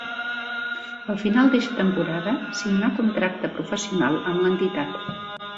Al final d'eixa temporada signa contracte professional amb l'entitat.